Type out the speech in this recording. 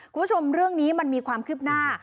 คุณผู้ชมเรื่องนี้มันมีความคืบหน้า